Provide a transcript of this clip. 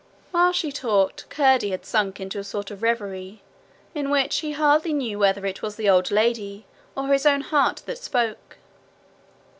While she talked Curdie had sunk into a sort of reverie, in which he hardly knew whether it was the old lady or his own heart that spoke.